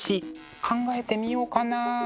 考えてみようかな？